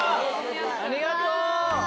ありがとう。